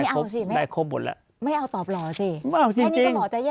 ใครเอาได้ที่รอ